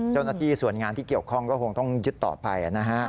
เจ้าหน้าที่ส่วนงานที่เกี่ยวข้องก็คงต้องยึดต่อไปนะฮะ